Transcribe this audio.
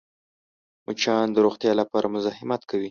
مچان د روغتیا لپاره مزاحمت کوي